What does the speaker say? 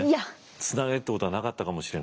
つなげるってことはなかったかもしれないし。